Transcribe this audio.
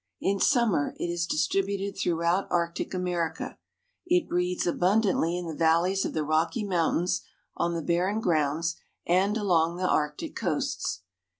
In summer it is distributed throughout Arctic America. It breeds abundantly in the valleys of the Rocky Mountains on the Barren Grounds and along the Arctic coasts.